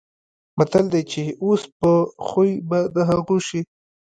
متل دی: چې اوسې په خوی به د هغو شې.